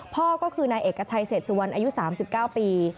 พ่อก็คือนายเอกชัยเศษสุวรรณอายุ๓๙ปี